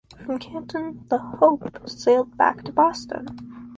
From Canton the "Hope" sailed back to Boston.